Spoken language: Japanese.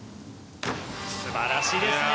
すばらしいですね。